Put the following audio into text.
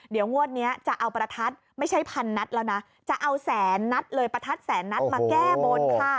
เดี๋ยวงวดนี้จะเอาประทัดไม่ใช่พันนัดแล้วนะจะเอาแสนนัดเลยประทัดแสนนัดมาแก้บนค่ะ